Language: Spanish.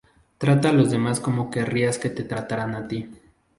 Trata a los demás como querrías que te trataran a ti